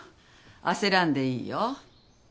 焦らんでいいよ。